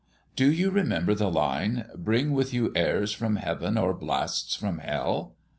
Do you remember the line, 'Bring with you airs from heaven or blasts from hell'?